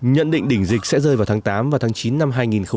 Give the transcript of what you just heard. nhận định đỉnh dịch sẽ rơi vào tháng tám và tháng chín năm hai nghìn một mươi bảy